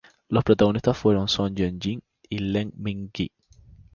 Los protagonistas fueron Son Ye Jin y Lee Min Ki.